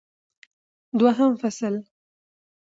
دوهم فصل